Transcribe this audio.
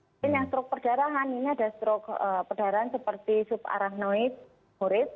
mungkin yang stroke perdarahan ini ada stroke perdarahan seperti subarachnoid